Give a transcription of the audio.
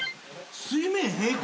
水面平行。